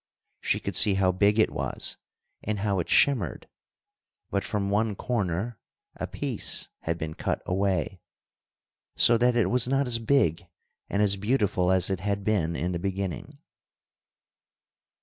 She could see how big it was, and how it shimmered. But from one corner a piece had been cut away, so that it was not as big and as beautiful as it had been in the beginning.